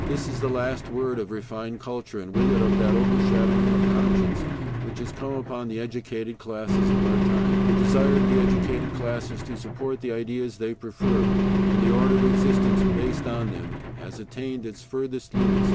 This is the last word of refined culture, and with it, of that overshadowing of conscience which has come upon the educated classes of our times. The desire of the educated classes to support the ideas they prefer, and the order of existence based on them, has attained its furthest limits.